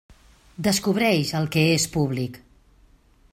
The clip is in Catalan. Descobreix el que és públic.